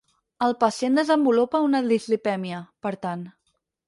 El pacient desenvolupa una dislipèmia, per tant.